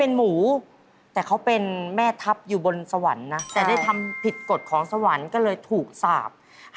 ตื้อโป้ยไก่ครับ